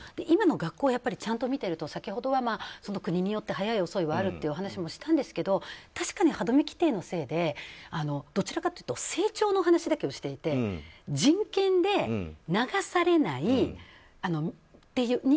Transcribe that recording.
今の学校をちゃんと見ていると先ほどは、国によって早い、遅いはあるという話もしたんですけど確かに、はどめ規定のせいでどちらかというと性徴の話だけをしていて人権で流されないっていう。